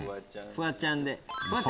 フワちゃんで。